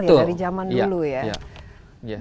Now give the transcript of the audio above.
dari zaman dulu ya